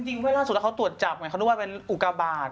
จริงเวลาสุดท้ายเขาตรวจจับไหมเขาดูว่าเป็นอุกาบาท